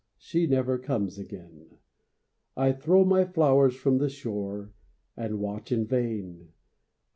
she never comes again! I throw my flowers from the shore, And watch in vain.